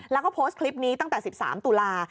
แล้วก็โพสต์คลิปนี้ตั้งแต่๑๓ตุลา